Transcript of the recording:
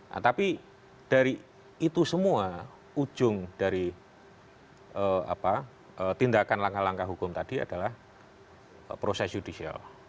nah tapi dari itu semua ujung dari tindakan langkah langkah hukum tadi adalah proses judicial